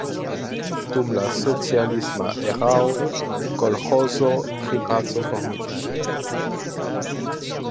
Dum la socialisma erao kolĥozo pri "Paco" formiĝis.